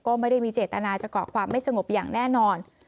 ก็ไม่ได้มีเจตนาจะเกาะความไม่สงบอย่างแน่นอน